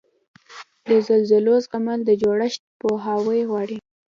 د زلزلو زغمل د جوړښت پوهاوی غواړي.